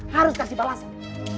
harus kasih balasan